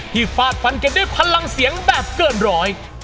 ฟาดฟันกันด้วยพลังเสียงแบบเกินร้อย